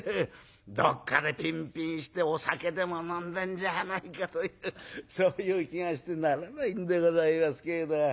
どっかでピンピンしてお酒でも飲んでんじゃないかとそういう気がしてならないんでございますけれど。